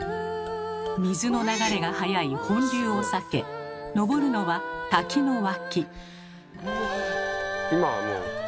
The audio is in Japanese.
水の流れが速い本流を避け登るのは滝の脇。